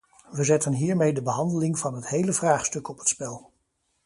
We zetten hiermee de behandeling van het hele vraagstuk op het spel.